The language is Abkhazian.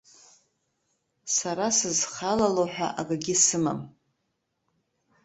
Сара сызхалало ҳәа акгьы сымам.